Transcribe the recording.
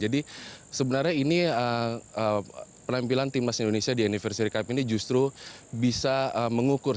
jadi sebenarnya ini penampilan timnas indonesia di anniversary cup ini justru bisa mengukur